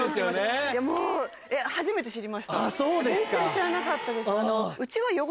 全然知らなかったです。